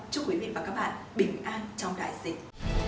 chúc quý vị và các bạn bình an trong đại dịch